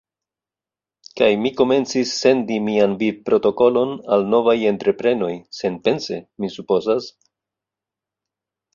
Kaj mi komencis sendi mian vivprotokolon al novaj entreprenoj, senpense, mi supozas.